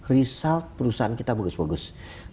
result perusahaan kita bagus bagus